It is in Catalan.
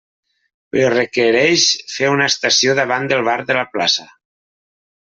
Però requereix fer una estació davant del bar de la plaça.